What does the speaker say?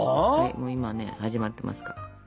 今ね始まってますから。